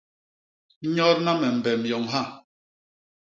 Nyodna me mbem yoñ ha!